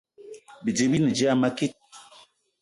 Bidi bi ne dia a makit